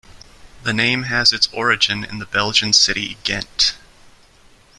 The name has its origin in the Belgian city Ghent.